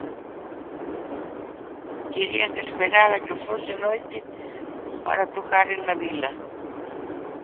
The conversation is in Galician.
Terían que esperar a que fose noite para tocaren na vila.